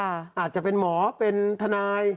อาจจะเป็นหมอเป็นทนาย